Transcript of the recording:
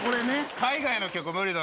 海外の曲、無理だろ。